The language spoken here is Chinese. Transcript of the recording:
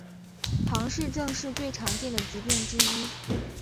唐氏症是最常见的疾病之一。